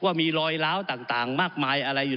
เมื่อกี้ผมเกือบมาไม่ทันนะครับท่านประธาน